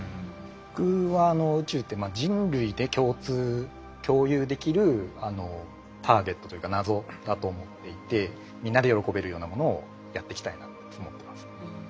僕は宇宙って人類で共有できるターゲットというか謎だと思っていてみんなで喜べるようなものをやっていきたいなと思ってます。